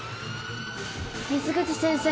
水口先生。